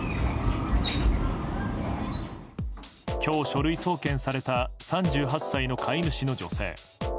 今日、書類送検された３８歳の飼い主の女性。